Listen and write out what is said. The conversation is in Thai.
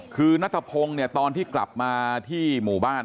คือนัทพงศ์เนี่ยตอนที่กลับมาที่หมู่บ้าน